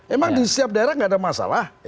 emang di setiap daerah nggak ada masalah